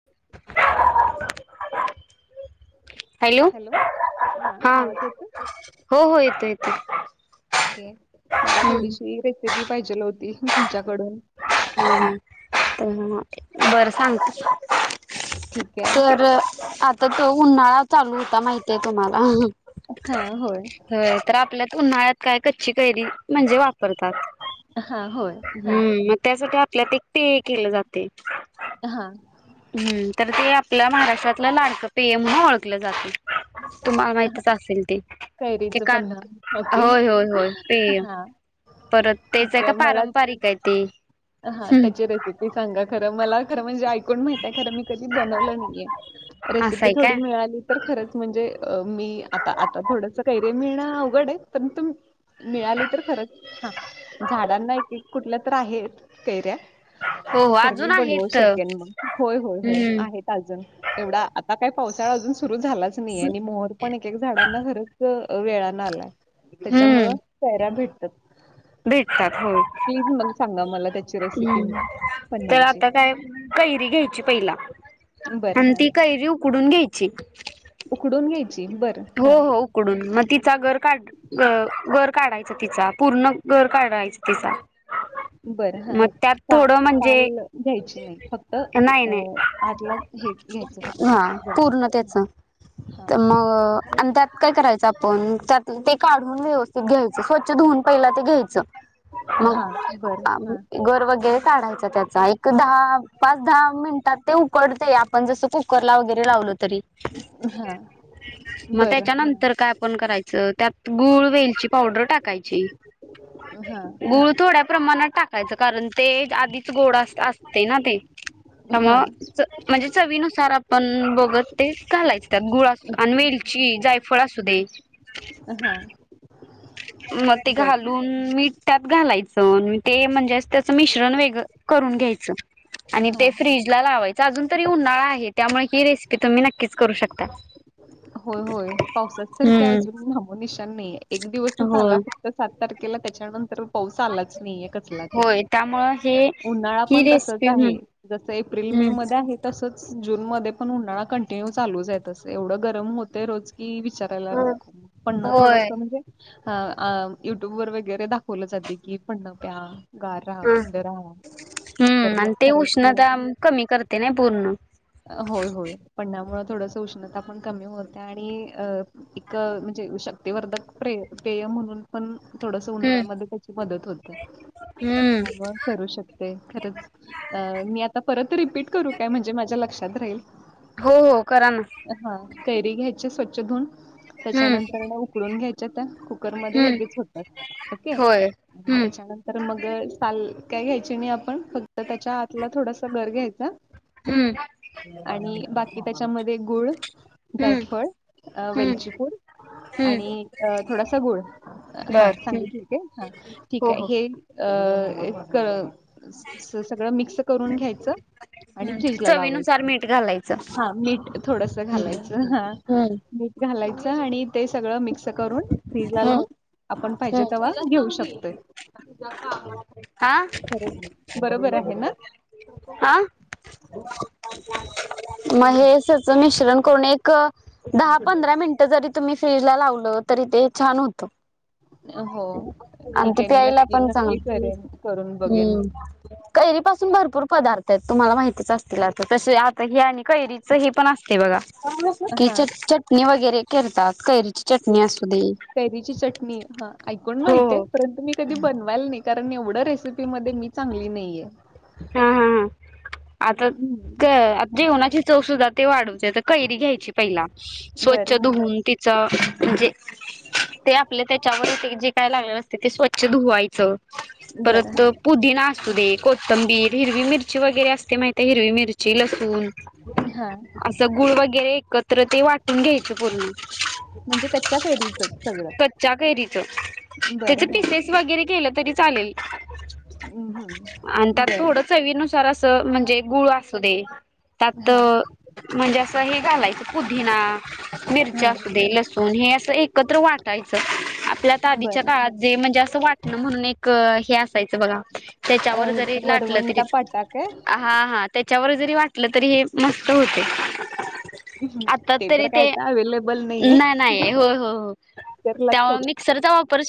[unintelligible] Hello हा आवाज येतो हो हो येतो येतो? मला हम्म थोडीशी रेसिपी पाहिजे होती तुमच्याकडून. ह तर बरं सांग. ठीक आहे तर आता तो उन्हाळा चालू होता माहितय तुम्हाला हा हो ह तर आपल्यात उन्हाळ्यात काय कच्ची कैरी म्हणजे वापरतात हा होय हा हम्म मग त्यासाठी आपल्यात एकटे केलं जाते हा हम्म तर ते आपल्या महाराष्ट्रातलं लाडकं पेय म्हणून ओळखलं जाते तुम्हाला माहितच असेल ते ते कैरीचं पन्हा ओके होय होय होय प हा परत त्याच ठीक का आहे मला पारंपर तरी काय त हा त्याची रेसिपी सांगा खरं मला खरं म्हणजे ऐकून माहितय खर मी कधी बनवलं नाहीे असं रेसिपी आहे थोडी काय मिळाली तर खरच म्हणजे अ मी आता आता थोडंस काैरे मिळणं अवघड आहे परंतु मिळाली तर खरं हा झाडांना कुठल्या तर आहेत कैऱ्या हो हो तर मी अजून बनव आहेत शकेन मग होय होय होय हम्म. आहेत अजून एवढा आता काही पावसाळा अजून सुरू झालाच नाही आणि मोहर पण एकका झाडांना खरंच वेळाने आलाय हम्म त्याच्यामुळं पऱ्या भेटतात प्लीज मग सांगा मला त्या ह् तर आता काय कैरी घ्यायची पहिला बरं आणि हां. ती कैरी उकडून घ्यायची उकडून घ्यायच हो हो उकडून मग तिचा घर काढ ग घर काढायचं तिचा पूर्ण घर काढायच तिचा बरं हा मग त्यात थोडं चाल म्हणजे घ्यायची नाही फक्त नाही नाही आठ ला हे घ्यायचं हक्त हा पूर्ण बर त्याच तर मग आणि त्यात काय करायचं आपण त्यात ते काढून व्यवस्थित घ्यायचं स्वच्छ धुऊून पहिला ते घ्यायचं हां. बरं मग हां. घर वगैरे काढायच त्याचा एक दहा पाच दहा मिनिटात ते उकडते आपण जसं कुकरला वगैरे लावलो तरी हा मग त्याच्यानंतर काय आपण करायचं त्यात गूळ वेलची पावडर टाकायची हां. गुळ थोडा ख प्रमाणात टाकायचं कारण ते आधीच गोड असते ना ते हां. त्यामुळे म्हणजे चवीनुसार आपण बघत ते घालायचतात गुळा आणि वेल वेलची जायफळ असू दे हा मग ते घालून मीठ त्यात घालायचं ते म्हणजेच त्याचं मिश्रण वेगळं करून घ्यायच आणि हा ते फ्रीज लावायच अजून तरी उन्हाळा आहे त्यामुळे ही रेसिपी ते तुम्ही नक्की च करू शकता होय होय पावसाच तरारखे हम्म अजून नामोनिशान नाही एक दिवस होय चाला फक्त सात तारखेला त्याच्यानंतर पाऊस आलाच नाहीये कसला ते होय त्यामुळ हे उन्हाळा ही पण तसच रेसिपी आहे जस एप्रिल मे हम् मध्ये आहे तसच जूनमध्येध्ये पण उन्हाळा कंटिन्यू चालूच आहे अससं एवढं गरम होत रोज कि विचारायला नको पणण थोडस होय म्हणजे ह युट्यूब वर वगैरे दाखवलं जाते की पण न प्या गार राहा थंड राहा तर हम्म मग आणि ते उष्णता खरंच कमी करते नाही पूर्ण होय होय पणण्यामु थोडसं उष्णता पण कमी होते आणि अ एक म्हणजे शक्तिवर्धक प्रे प्रेय म्हणून पण थोडस हम्म उन्हाळ्यामध्ये त्याची मदत होत हम्म त्या करू शकते खरच मी आता परत रिपीट करू काय म्हणजे माझ्या ल लक्षात राहील. हो हो करा ना. हा कैरी घ्यायची स्वच्छ धुवून हम्म त्याच्यानंतर उकडून घ्यायच्या त्या कुकरमध्ये हम्म लगेच होतात ओके. होय हम्म त्याच्यानं तर मग साल काय घ्यायची नाही आपण फक्त त्याच्या आातला थोडासा घर घ्यायचा. हम्म. आणि बाकी त्याच्यामध्ये गुळ हम्म जायफळ हम्म वेलचीपूड हम्म आणि थोडासा गूळ बर हा हम्म सांगितलं ते हा ठीक हो आहे हो हे अ सगळं मिक्स करून घ्यायचं आणि हम्म फ्रीज य चवीनुसार मीठ घालायचं. हा मीठ थोडस हम्म घालायचं ह. हम्म मीठ घालायचं आणि ते सगळं मिक्स करून फ्रीज ला लावून हम्म. आपण पाहिजे तेंव्हा घेऊ शकत हा बरोबर आहे ना. हा मग हे सगळं मिश्रण करून एक दहा पंधरा मिनिटं जरी तुम्ही फ्रीजला लावलं तरी ते छान होतं. हो आणि ठीक ते आहे मी प्यायला नक्की पण नक्की चांगत करेन करून बघेन हम्म. कैरी पासून भरपूर पदार्थ आहेत तुम्हाला माहितीच असतील आता तसे आ हे आणि कैरीच हे पण असते बघा कि हा च चटणी वगैरे करतात कैरी कैरीची चटणी हा ऐकून हो माहित आहे परंतु मी कधी बनवायला नाही कारण एवढं रेसिपी मध्ये मी चांगली नाहीये. हा हा ह हम्म आताता जेवणाची चव सुद्धा ते वाढवचे. कैरी घ्यायची पहिला बरं स्वच्छ हा धुऊून तिच म्हणजे ते आपले त्याच्यावर ते जे काय लागले असते ते स्वच्छ धुवायचं. बरं हा. ना असू दे कोथंबीर हिरवी मिरची वगैरे असते माहितय हिरवी मिरची ची लसून. हा असं गुळ वगैरे एकत्र ते वाटून घ्यायचे पूर्ण. म्हणजे कच्च्या सगळं. कच्च्या कैरीच त्याच बरं हा पिसेस वगैरे केलं तरी चालेल. हम हम आणि त्यात थोडं चवीनुसार असं म्हणजे गुळ असू दे. त्यात हा म्हणजे असं हे घालायचं पुदिना मिरच्या हा असू दे लसूण हे अस एकत्र वाटायचं आपल्यात आधीच्या बरं काळात हां. जे म्हणजे असं वाट म्हणून एक हे असायचं बघा अ त्याच्यावर जरी लाटलं तरी वरवंटा पाटा का? हा हा त्याच्यावर जरी वाटलं तरी हे मस्त होते. हं. आता तरी तर काय ते आता अवेलेबल नाहीये नाही नाही हो हो हो. तर त्यामुळे लागत मिक्सरचा वापर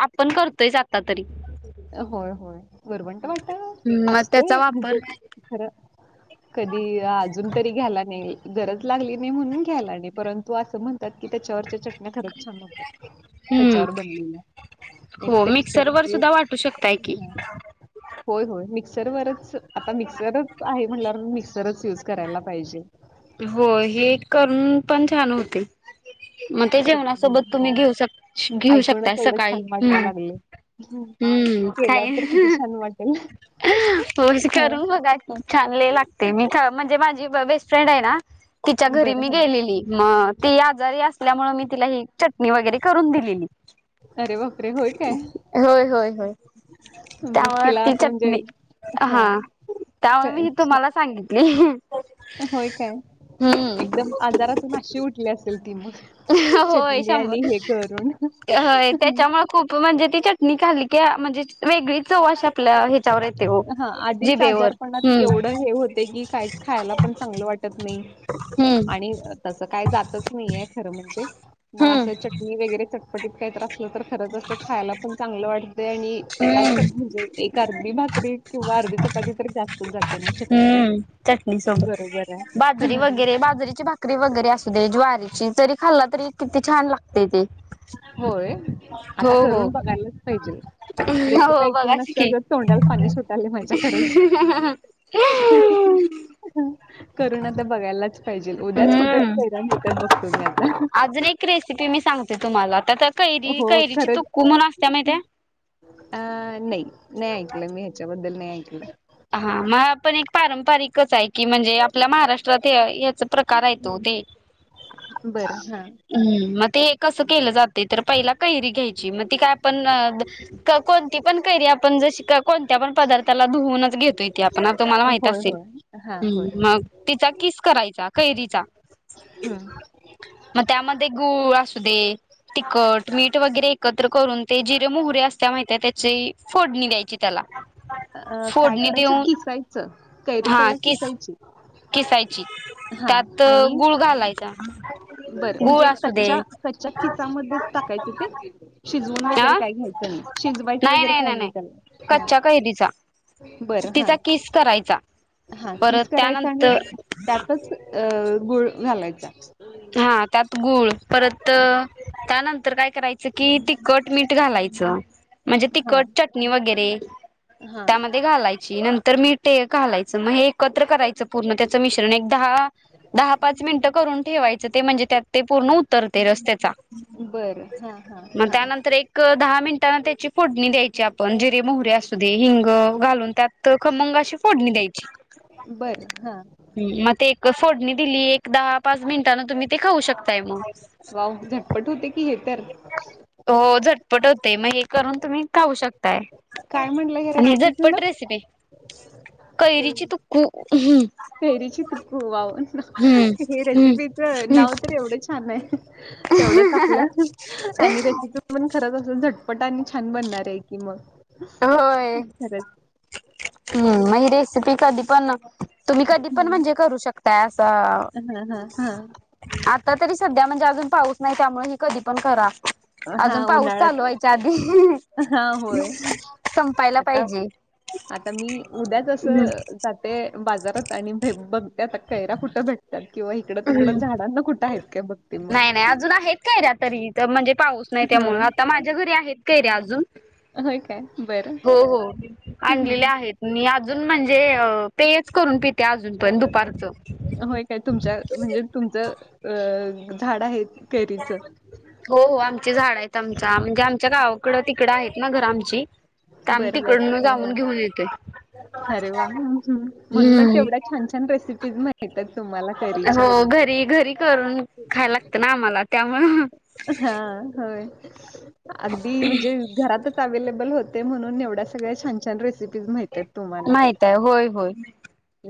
आपण करतोयच आता तरी. होय होय वरवंट वाटा हम्म मग त्याचा असतोय वापर म्हणजे खरं. कधी अजून तरी घ्यायला नाही गरज लागली नाही म्हणून घ्यायला नाही परंतु असं म्हण तेत्यावरची चटणी नाही खरच छान होत हम्म त्याच्यावर बनलेलं एक टेक्चर इथे करू शकता की. होय होय मिक्सरवरच आता मिक्सरच आहे म्हणल्यावर मिक्सरच यूज करायला पाहिजे. हो हे करून पण छान होते. मग ते चटणी जेवणासोबत वा तुम्ही घेऊ घेऊ ऐकूनच शकताय एवढं सकाळी छान वाटायला हम् लागले हम्म. हम्म केल्यावर तर किती काही छान वाटेल होज हा करू बघा. छानले लागते मी म्हणजे माझी बेस्ट फ्रेंड आहे ना तिच्या घरी मी बरं हा गेलेली मग ती आजारी असल्यामुळे मी तिला ही चटणी वगैरे करून दिलेली अरे बापरे होय काय होय होय मग त्यामुळे तिला ती असं म्हणजे चटणी हा त्यामुळे मी अच्छा. तुम्हाला सांगितली होय काय हम्म एकदम आजारातून अशी उठली असेल ती मग होय चटणी शंभर आणि हे करून होय त्याच्यामुळे खूप म्हणजे ती चटणी खाली की म्हणजे वेगळी चव अशा आपल्या ह्याच्यावर येते ओ हा आधीच जिभेवर आजारपणात हम्म एवढं हे होते की काहीच खायला पण चांगलं वाटत नाही हम्म आणि त्या काही जातच नाहीय खरं म्हणजे मग हम्म असं चटणी वगैरे चटपटीत काहीत असलं तर खर असं खायला पण चांगलं वाटतंय आणि एकाच हम्म म्हणजे एक अर्धी भाक री किंवा अर्धी चपाती जास्त हम्म चटणी सोबत बरोबर आहे बाजरी वगैरे बाजरीचे भा करी वगैरे असू दे ज्वारीची तरी खाल्ला तरी किती छान लागते ते होय हो आता हो करून बघायलाच पाहिजे रेसिपी हो ऐकून बघाच नसत की जर तोंडाला पाणी सुटाले माझ्याकडेच करु आता बघायलाच पाहिजे उद्याच कुठं हम्म कैऱ्या मिळतात बघतो मी आता अजून एक रेसिपी मी सांगते तुम्हाला त्या कैरी हो कैरीची तुक्कू खरंच म्हणून असत्या माहि त्या्या अ नाही नाही ऐकलं मी ह्याच्याबद्दल नाही ऐकलं हा मग आपण एक पारंपरिकच आहे की म्हणजे आपल्या महाराष्ट्रात याच प्रकार येतो ते बरं हां हम्म मग ते हे कसं केलं जाते तर पहिला कैरी घ्यायची मग ती काय पण कोणती पण कैरी आपण जशी का कोणत्या पण पदार्थाला धुऊन घेत असतो की मला माहित होय होय हां होय असतं मग तिचा किस करायचा कैरीचा हा मग त्यामध्ये गुळ असू दे. तिखट, मीठ वगैरे एकत्र करून ते जिरे मोहरी असतं त्याची फोडणी द्यायची त्याला अ काय फोडणी करायचं देऊन किसायचं कैरी हा पहिला किस किसायची. किसायची हा त्यात आणि गुळ घालायचा. बरं गुळ म्हणजे असू दे कच्च्या कच्च्या खिचामध्येच टाकायचं ते शिजवून हा वगैरे काय घ्यायच. शिजवायच वगैरे काही नाही त्याला हा कच्च्या कैरीचा बरं तिचा हा किस करायचा हा परत किस करायचा आणि त्यानंतर त्यातच अ गुळ घालायचा. हा त्यात गुळ परत हा त्यानंतर काय करायचं की तिखट, मीठ घालायचं. म्हणजे हा तिखट चटणी वगैरे हा त्यामध्ये घालायची नंतर मी ते घालायचं मग एकत्र करायचं पूर्ण त्याचं मिश्रण एक दहा दहा पाच मिनटं करून ठे ते म्हणजे त्यात ते पूर्ण उतरते रस् त्याचा बरं हा हा मग हा त्यानंतर एक दहा मिनिटांना त्याची फोडणी द्यायची आपण जिरे मोहरे असू दे हिंग घालून त्यात खमंग अशी फोडणी द्यायची बरं हा मग ते एक फोडणी दिली एक दहा पाच मिनिटांने तुम्ही ते खाऊ शकताय मग झटपट होते की हे तर हो झटपट होते मग हे करून तुम्ही खाऊ शकता. काय म्हटलं ह्या आणि रेसिपीचं झटपट नाव रेसिपी कैरीची तुकू ह् फैरी चिक ग हे हम्म रेसिपीच नाव हम्म तर एवढं छान आहे तेवढंच आपलं आणि रेसिपी पण खरंच असं झटपट आणि छान बनणार आहे की मग होय खरंच हम्म म रेसिपी कधी पण तुम्ही कधी पण हम्म म्हणजे करू शकताय असं हा हा हा आता तरी सध्या म्हणजे अजून पाऊस नाही त्यामुळे हे कधी पण करा अजून हा पाऊस उन्हाळ्यात चालू आहे. साधी हा होय आता पाहिजे. आता मी उद्याच असं ते बाजारात आणि बघते आता कैरा कुठं भेटतात किंवा इकडं तिकडं झाडांना कुठं आहेत. काय बघते मग नाही नाही अजून आहेत कैरी तरी तर म्हणजे पाऊस नाही हा त्यामुळ आता माझ्या घरी आहेत. कैरी अजून होय काय बरं हो हो हम्म आणलेले आहेत. मी अजून म्हणजे पेच करून पिते अजून पण दुपारचं होय काय तुमच्या म्हणजे तुमचं अ झाड आहे कैरीच हो हो आमचे झाडं आहेत आमच्या म्हणजे आमच्या गावाकडं तिकडं आहेत ना घर आमची तर आम बरं बरं तिकडं हा जाऊन हा घेऊन येतोय हम्म छानछान रेसिपी माहित ये माहिती तुम्हाला हो घरी, घरी करून खायला लागतं ना आम्हाला त्यामुळं हा होय अगदी म्हणजे. घरातच अवेहेलेबल होते म्हणून एवढ्या सगळ्या छान छान रेसिपीज माहित आहेत. तुम्हाला माहित आहे होय होय.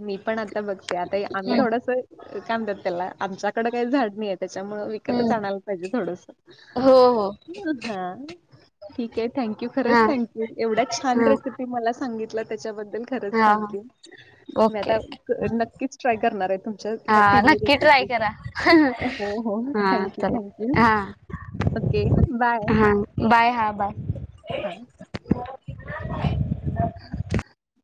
मी पण आता बघते आता आम्ही थोडसं काय म्हणता त्याला आमच्याकड काही झाड नाही आहे त्याच्यामुळे हम्म आणायला पाहिजे थोडस हो हो हा ठीक आहे थँक्यू खरंच हा थँक्यू एवढा ह छान रेसिपी मला सांगितलं त्याच्याबद्दल च खरंच हा थँक्यू मी ओके आता ओके नक्कीच ट्राय करणार आहे तुमच्या हा ह्या तिन्ही नक्की ट्राय रेसिपी करा. हो हो हा थँक यू चला थँक यू हा ओके बाय हा बाय हा बाय. हा ह [unintelligible]